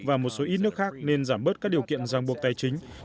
và một số ít nước khác nên giảm bớt các điều kiện ràng buộc tài chính